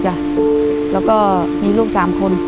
จ้ะแล้วก็มีลูก๓คน